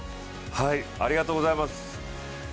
ありがとうございます。